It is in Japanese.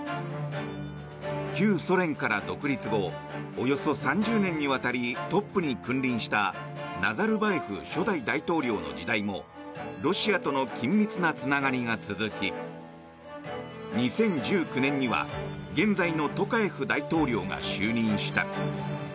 旧ソ連から独立後およそ３０年にわたりトップに君臨したナザルバエフ初代大統領の時代もロシアとの緊密なつながりが続き２０１９年には、現在のトカエフ大統領が就任した。